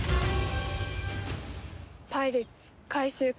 パイレッツ回収完了。